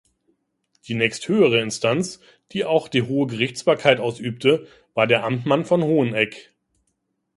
Die nächsthöhere Instanz, die auch die hohe Gerichtsbarkeit ausübte, war der Amtmann von Hoheneck.